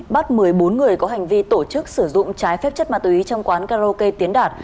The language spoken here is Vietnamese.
bắt một mươi bốn người có hành vi tổ chức sử dụng trái phép chất ma túy trong quán karaoke tiến đạt